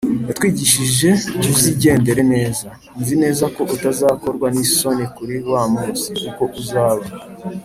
yatwigishije, uzigendere neza. nzi neza ko utazakorwa n’isoni kuri wa munsi, kuko uzaba